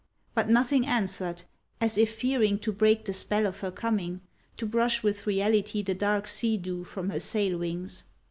But nothing answered, as if fearing to break the spell of her coming, to brush with reality the dark sea dew from her sail wings.